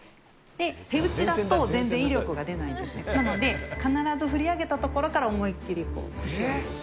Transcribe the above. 手打ちだと全然威力が出ないので、なので必ず振り上げたところからおもいっきり、こう、腰を入れて。